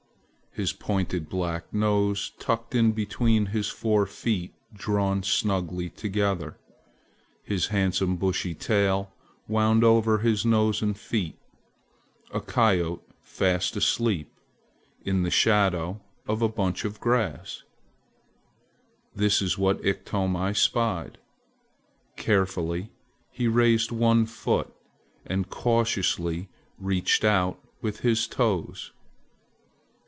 his pointed black nose tucked in between his four feet drawn snugly together; his handsome bushy tail wound over his nose and feet; a coyote fast asleep in the shadow of a bunch of grass! this is what Iktomi spied. Carefully he raised one foot and cautiously reached out with his toes.